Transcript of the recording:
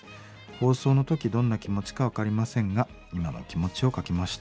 放送の時どんな気持ちか分かりませんが今の気持ちを書きました」。